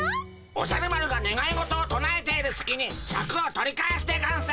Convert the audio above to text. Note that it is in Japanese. おじゃる丸がねがい事をとなえているすきにシャクを取り返すでゴンス。